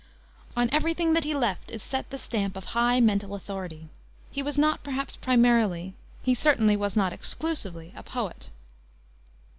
On every thing that he left is set the stamp of high mental authority. He was not, perhaps, primarily, he certainly was not exclusively, a poet.